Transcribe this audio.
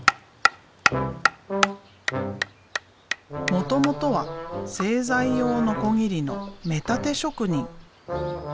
もともとは製材用ノコギリの目立て職人。